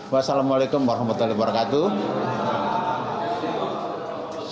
wassalamualaikum warahmatullahi wabarakatuh